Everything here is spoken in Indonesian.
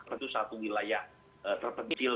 itu satu wilayah terpencil